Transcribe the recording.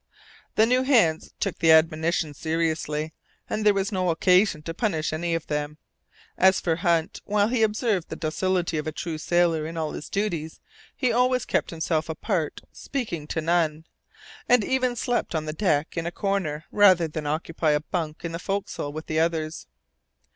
The new hands took the admonition seriously, and there was no occasion to punish any of them. As for Hunt, while he observed the docility of a true sailor in all his duties, he always kept himself apart, speaking to none, and even slept on the deck, in a corner, rather than occupy a bunk in the forecastle with the others.